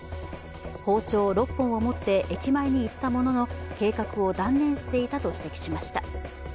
包丁６本を持って駅前に行ったものの計画を断念していたと指摘しました。